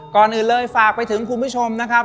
ก่อนอื่นเลยฝากไปถึงคุณผู้ชมนะครับ